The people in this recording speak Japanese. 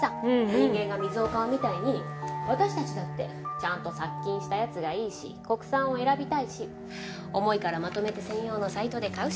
人間が水を買うみたいに私たちだってちゃんと殺菌したやつがいいし国産を選びたいし重いからまとめて専用のサイトで買うし。